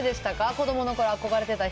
子どものころ、憧れてた人。